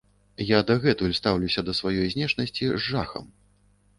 Я дагэтуль стаўлюся да сваёй знешнасці з жахам.